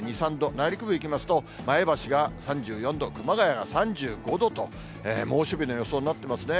内陸部いきますと、前橋が３４度、熊谷が３５度と、猛暑日の予想になってますね。